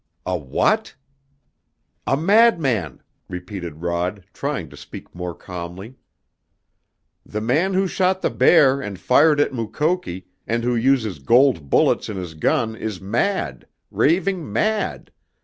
"A what!" "A madman!" repeated Rod, trying to speak more calmly. "The man who shot the bear and fired at Mukoki and who uses gold bullets in his gun is mad raving mad!